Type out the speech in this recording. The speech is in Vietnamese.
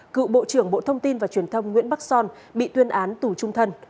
cựu bộ trưởng bộ thông tin và truyền thông nguyễn bắc son bị tuyên án tù trung thân